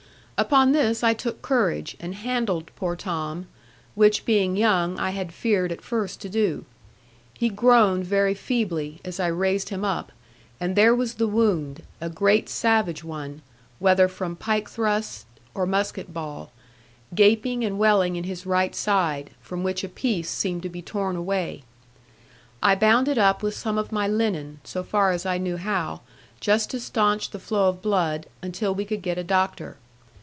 Upon this I took courage, and handled poor Tom, which being young I had feared at first to do. He groaned very feebly, as I raised him up; and there was the wound, a great savage one (whether from pike thrust or musket ball), gaping and welling in his right side, from which a piece seemed to be torn away. I bound it up with some of my linen, so far as I knew how; just to stanch the flow of blood, until we could get a doctor.